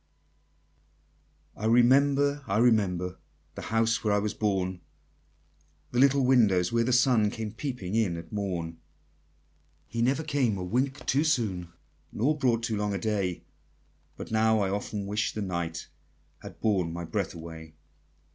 I remember, I remember, The house where I was born, The little window where the sun Came peeping in at morn; He never came a wink too soon, Nor brought too long a day, But now, I often wish the night Had borne my breath away!